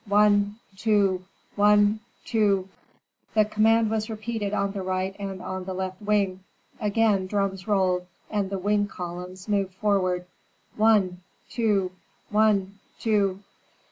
one two! one two! The command was repeated on the right and on the left wing; again drums rolled and the wing columns moved forward: one two! one two!